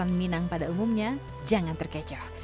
makanan minang pada umumnya jangan terkecoh